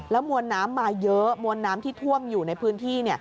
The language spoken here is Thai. มวลน้ำมาเยอะมวลน้ำที่ท่วมอยู่ในพื้นที่